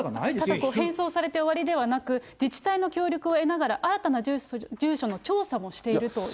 ただ返送されて終わりではなく、自治体の協力を得ながら、新たな住所の調査をしているということ